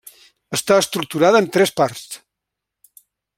Està estructurada en tres parts.